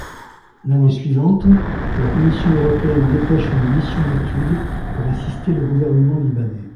L'année suivante, la commission européenne dépêche une mission d'étude pour assister le gouvernement libanais.